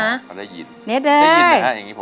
เขาได้ยินเนสเอ้ย